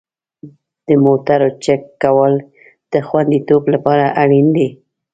د موټرو چک کول د خوندیتوب لپاره اړین دي.